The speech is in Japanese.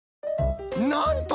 なんと！